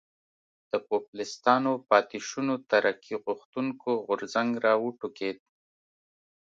د پوپلستانو پاتې شونو ترقي غوښتونکی غورځنګ را وټوکېد.